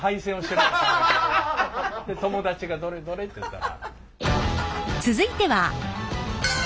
友達がどれどれって言ったら。